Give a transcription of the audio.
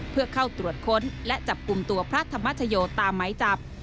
เพื่อเข้าตรวจค้นและจับกลุ่มตัวพระธรรมชโยตามไหมจับ